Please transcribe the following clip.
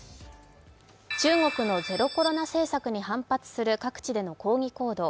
中国のゼロコロナ政策に反発する各地での抗議行動。